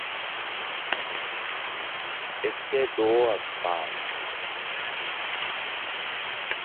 اس کے دو اسباب ہیں۔